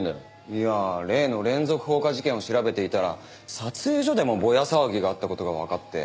いやあ例の連続放火事件を調べていたら撮影所でもぼや騒ぎがあった事がわかって。